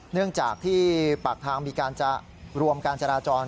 เนื่องจากที่ปากทางมีการจะรวมการจราจร